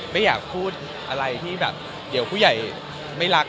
ไม่อยากพูดอะไรที่แบบเดี๋ยวผู้ใหญ่ไม่รัก